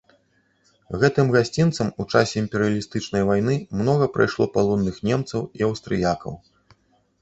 Гэтым гасцінцам у часе імперыялістычнай вайны многа прайшло палонных немцаў і аўстрыякаў.